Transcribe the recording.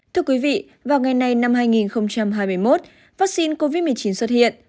thưa quý vị vào ngày nay năm hai nghìn hai mươi một vaccine covid một mươi chín xuất hiện